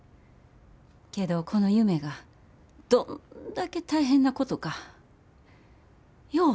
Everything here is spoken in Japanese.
けどこの夢がどんだけ大変なことかよう分かった。